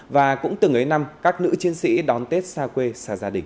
và cũng từng ấy năm các nữ chiến sĩ đón tết xa quê xa gia đình